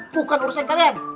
bukan urusan kalian